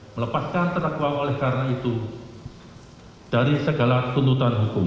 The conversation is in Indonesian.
melepaskan terdakwa oleh karena itu dari segala tuntutan hukum